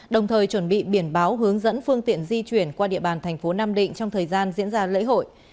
đồng thời chuẩn bị biển báo hướng dẫn phương tiện di chuyển qua địa bàn thành phố nam định trong thời gian diễn ra lễ hội